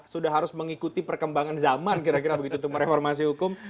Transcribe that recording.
sudah harus mengikuti perkembangan zaman kira kira begitu untuk mereformasi hukum